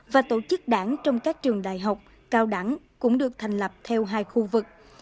và tổ chức đảng trong các trường đại học cao đẳng cũng được thành lập theo hai khu vực